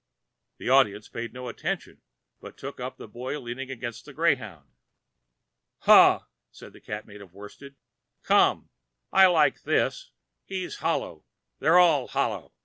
The Audience paid no attention, but took up the Boy leaning against a greyhound. "Ha!" said the Cat made of worsted. "Come. I like this. He's hollow. They're all hollow.